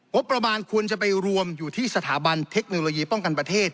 ควรจะไปรวมอยู่ที่สถาบันเทคโนโลยีป้องกันประเทศ